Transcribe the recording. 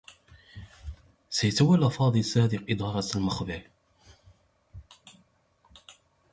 سيتولّى فاضل صادق إدارة المخبر.